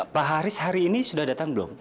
pak haris hari ini sudah datang belum